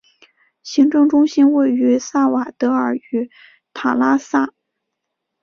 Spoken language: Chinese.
行政中心位于萨瓦德尔与塔拉萨。